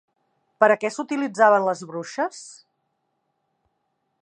Per a què s'utilitzaven les bruixes?